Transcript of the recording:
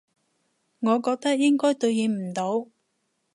我覺得應該對應唔到